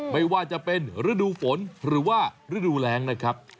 ไม่ว่าจะเป็นฤดูฝนหรือว่าฤดูแรงนะครับ